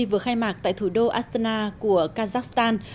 vừa khai mạc tại thủ đô astana của kazakhstan